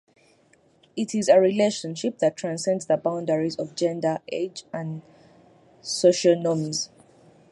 It is a relationship that transcends the boundaries of gender, age, and societal norms.